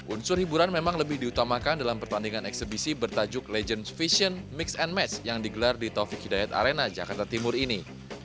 unsur hiburan memang lebih diutamakan dalam pertandingan eksebisi bertajuk legends vision mix and match yang digelar di taufik hidayat arena jakarta timur ini